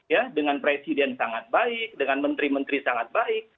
ya dengan presiden sangat baik dengan menteri menteri sangat baik